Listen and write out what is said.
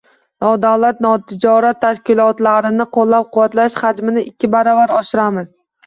Nodavlat notijorat tashkilotlarini qo‘llab-quvvatlash hajmini ikki barobar oshiramiz.